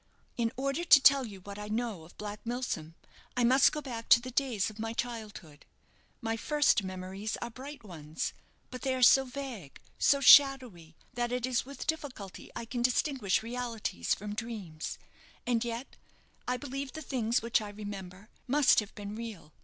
"In order to tell you what I know of Black Milsom, I must go back to the days of my childhood. My first memories are bright ones; but they are so vague, so shadowy, that it is with difficulty I can distinguish realities from dreams; and yet I believe the things which I remember must have been real.